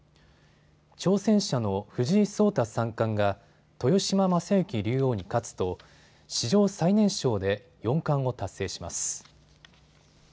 挑戦者の藤井聡太三冠が豊島将之竜王に勝つと史上最年少で四冠を達成します。